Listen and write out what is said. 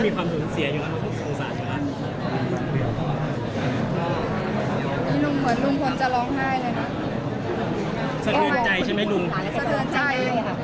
นี่ลุงเหมือนลุงคนจะร้องไห้เลยนะสะเดือนใจใช่ไหมลุงสะเดือนใจ